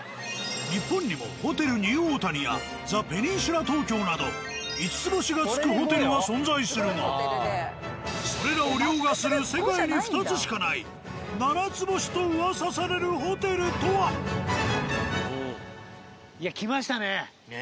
日本にもホテルニューオータニやザ・ペニンシュラ東京など５つ星が付くホテルは存在するがそれらを凌駕する世界に２つしかない７つ星と噂されるホテルとは！？来ましたね。